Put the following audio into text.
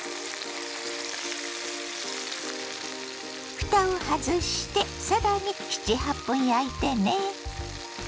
ふたを外してさらに７８分焼いてね。